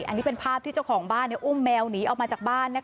อันนี้เป็นภาพที่เจ้าของบ้านอุ้มแมวหนีออกมาจากบ้าน